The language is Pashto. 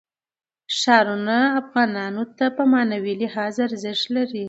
ښارونه افغانانو ته په معنوي لحاظ ارزښت لري.